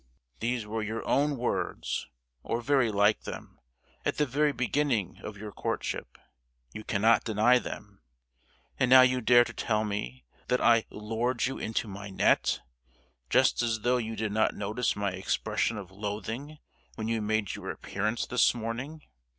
These were your own words, or very like them, at the very beginning of your courtship!—you cannot deny them! And now you dare to tell me that I 'lured you into my net,' just as though you did not notice my expression of loathing when you made your appearance this morning!